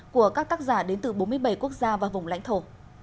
của các tác giả đến từ bốn mươi bảy quốc gia và vùng lãnh thổ